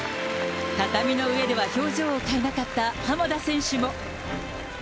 畳の上では表情を変えなかった浜田選手も。